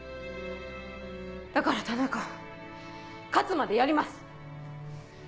だから田中勝つまでやります！